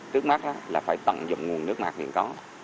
trước mắt là phải tận dụng nguồn nước ngọt hiện có